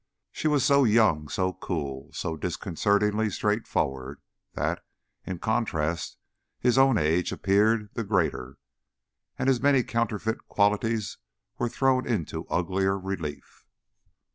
She was so young, so cool, so disconcertingly straightforward that, in contrast, his own age appeared the greater, and his many counterfeit qualities were thrown into uglier relief.